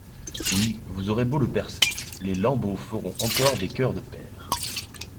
Oui, vous aurez beau le percer, les lambeaux feront encore des cœurs de père.